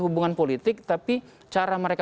hubungan politik tapi cara mereka